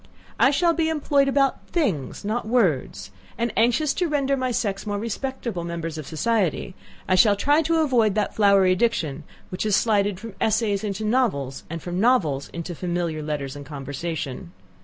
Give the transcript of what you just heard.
I shall be employed about things, not words! and, anxious to render my sex more respectable members of society, I shall try to avoid that flowery diction which has slided from essays into novels, and from novels into familiar letters and conversation.